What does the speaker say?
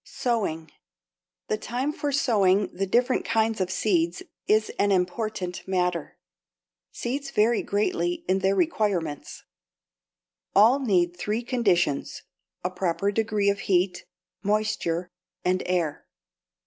=Sowing.= The time for sowing the different kinds of seeds is an important matter. Seeds vary greatly in their requirements. All need three conditions a proper degree of heat, moisture, and air.